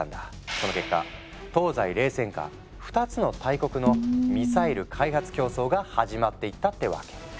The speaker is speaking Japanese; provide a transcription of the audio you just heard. その結果東西冷戦下２つの大国のミサイル開発競争が始まっていったってわけ。